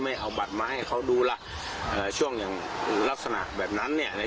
ไม่เอาบัตรมาให้เขาดูล่ะช่วงอย่างลักษณะแบบนั้นเนี่ย